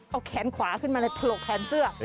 เอาแขนขวาขึ้นมาเลยถลกแขนเสื้อ